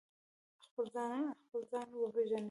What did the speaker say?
خپل ځان وژني.